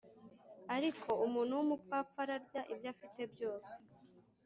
ariko umuntu wumupfapfa ararya ibyo afite byose